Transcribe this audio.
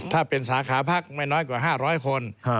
ถ้าเป็นสาขาพักไม่น้อยกว่า๕๐๐คน